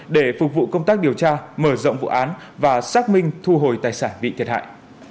để phục vụ công tác điều tra mở rộng vụ án và xác minh thu hồi tài sản bị thiệt hại